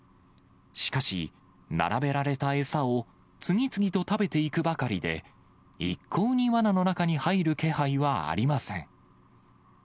しかし、並べられた餌を次々と食べていくばかりで、一向にわなの中に入る気配はありません。